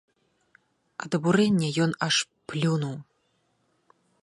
Ад абурэння ён аж плюнуў.